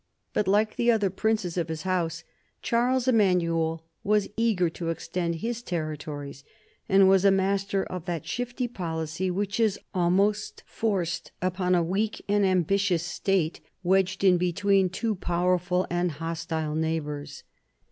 But, like the other princes of his House, Charles Emanuel was eager to extend his territories, and was a master of that shifty policy which is almost forced upon a weak and ambitious state wedged in between two powerful and hostile neighbours.